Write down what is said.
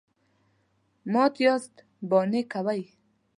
_مات ياست، بانې کوئ.